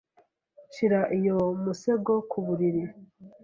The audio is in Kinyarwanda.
Shira iyo musego ku buriri.